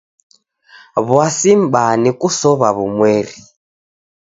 W'asi m'baa ni kusow'a w'umweri.